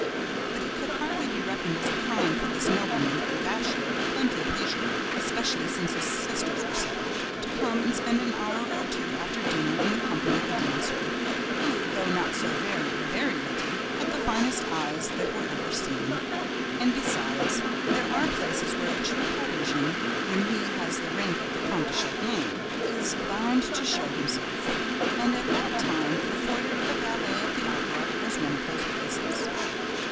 But it could hardly be reckoned as a crime for this nobleman, a bachelor, with plenty of leisure, especially since his sisters were settled, to come and spend an hour or two after dinner in the company of a dancer, who, though not so very, very witty, had the finest eyes that ever were seen! And, besides, there are places where a true Parisian, when he has the rank of the Comte de Chagny, is bound to show himself; and at that time the foyer of the ballet at the Opera was one of those places.